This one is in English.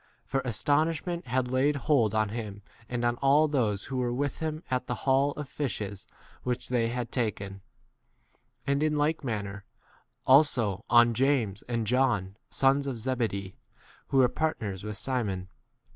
For astonishment had laid hold on him and on all those who were with him at the haul of fishes which they had 10 taken ; and in like manner also on James and John, sons of Zebe dee, who were partners with Simon.